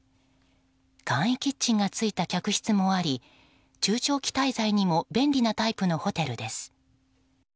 簡易キッチンがついた客室もあり中長期滞在にも便利なタイプのホテルです。